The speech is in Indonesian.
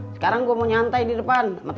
sekarang gua mau nyantai di depan sama temen gua